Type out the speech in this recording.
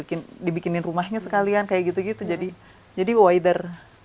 lama lama minta dibikinin rumahnya sekalian kayak gitu gitu jadi wider